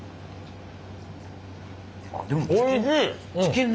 あっでもチキン。